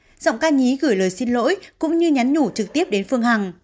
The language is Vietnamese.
giọng ca nhí gửi lời xin lỗi cũng như nhắn nhủ trực tiếp đến phương hằng